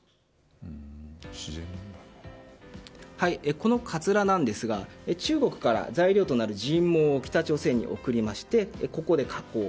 このかつらなんですが中国から材料となる人毛を北朝鮮に送りまして、ここで加工。